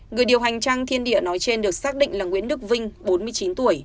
người điều hành trang thiên địa nói trên được xác định là nguyễn đức vinh bốn mươi chín tuổi